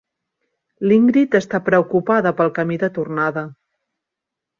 L'Ingrid està preocupada pel camí de tornada.